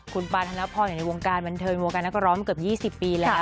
คุณปานธนพรอยู่ในวงการบันเทิงวงการนักร้องมาเกือบ๒๐ปีแล้ว